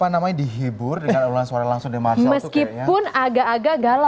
kau berdiri gak enak kita duduk aja